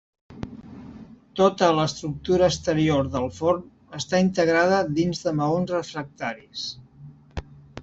Tota l'estructura exterior del forn està integrada dins de maons refractaris.